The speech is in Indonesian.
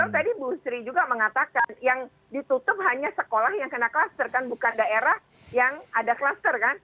karena tadi ibu sri juga mengatakan yang ditutup hanya sekolah yang kena klaster kan bukan daerah yang ada klaster kan